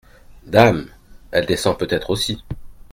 Dame ! elle descend peut-être aussi…